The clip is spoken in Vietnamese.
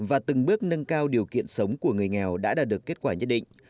và từng bước nâng cao điều kiện sống của người nghèo đã đạt được kết quả nhất định